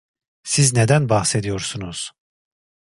Siz neden bahsediyorsunuz?